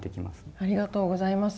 ありがとうございます。